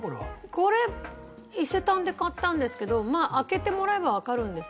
これ伊勢丹で買ったんですけどまあ開けてもらえばわかるんですけど。